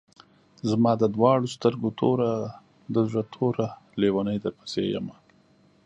زما د دواڼو سترګو توره، د زړۀ ټوره لېونۍ درپسې يمه